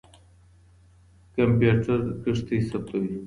کمپيوټر کښتۍ ثبتوي.